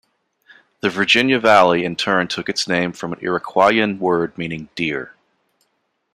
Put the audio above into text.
The Virginia valley in turn took its name from an Iroquoian word meaning 'deer'.